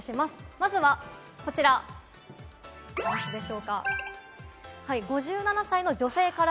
まずはこちらです。